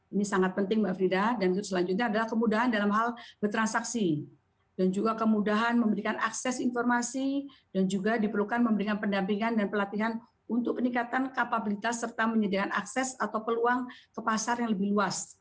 ini sangat penting mbak frida dan selanjutnya adalah kemudahan dalam hal bertransaksi dan juga kemudahan memberikan akses informasi dan juga diperlukan memberikan pendampingan dan pelatihan untuk peningkatan kapabilitas serta menyediakan akses atau peluang ke pasar yang lebih luas